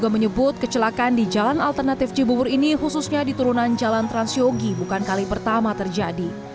menyebut kecelakaan di jalan alternatif cibubur ini khususnya di turunan jalan transyogi bukan kali pertama terjadi